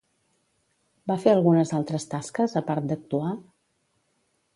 Va fer algunes altres tasques, a part d'actuar?